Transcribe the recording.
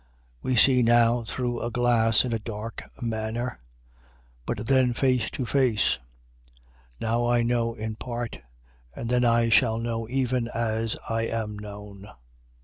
We see now through a glass in a dark manner: but then face to face. Now I know in part: but then I shall know even as I am known. 13:13.